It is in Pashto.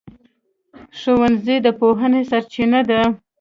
ښوونځی د پوهنې سرچینه ده.